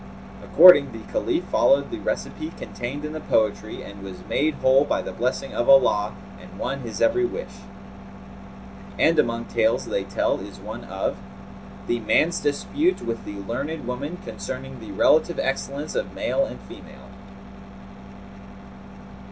Accordingly, the Caliph followed the recipe contained in the poetry and was made whole by the blessing of Allah and won his every wish. And among tales they tell is one of THE MAN'S DISPUTE WITH THE LEARNED WOMAN CONCERNING THE RELATIVE EXCELLENCE OF MALE AND FEMALE.